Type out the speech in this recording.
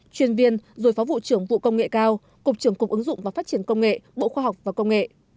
chuyên viên rồi phó vụ trưởng vụ công nghệ cao cục trưởng cục ứng dụng và phát triển công nghệ bộ khoa học và công nghệ